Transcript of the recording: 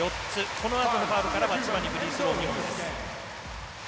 このあとのファウルから千葉にフリースロー１本です。